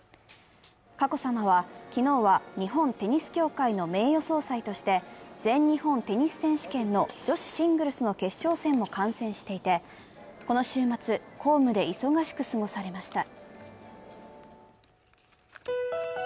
佳子さまは、昨日は日本テニス協会の名誉総裁として、全日本テニス選手権の女子シングルスの決勝戦も観戦していて、この週末、公務で忙しく過ごされました。